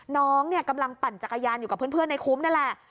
น้องเนี่ยกำลังปั่นจักรยานอยู่กับเพื่อนในคุ้มนั่นแหละ